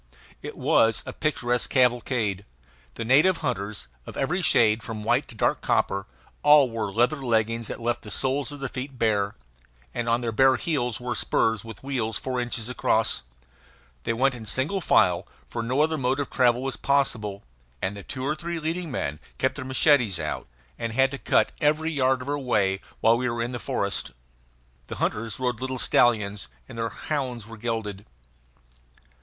It was a picturesque cavalcade. The native hunters, of every shade from white to dark copper, all wore leather leggings that left the soles of their feet bare, and on their bare heels wore spurs with wheels four inches across. They went in single file, for no other mode of travel was possible; and the two or three leading men kept their machetes out, and had to cut every yard of our way while we were in the forest. The hunters rode little stallions, and their hounds were gelded.